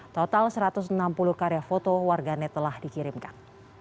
total satu ratus enam puluh karya foto warganet telah dikirimkan